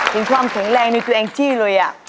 เพราะว่าเพราะว่าเพราะ